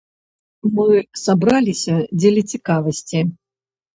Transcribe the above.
Мы сабраліся дзеля цікавасці.